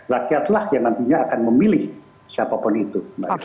rakyatlah yang nantinya akan memilih siapapun itu